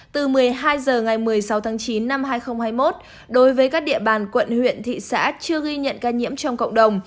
từ một mươi hai h ngày một mươi sáu tháng chín năm hai nghìn hai mươi một đối với các địa bàn quận huyện thị xã chưa ghi nhận ca nhiễm trong cộng đồng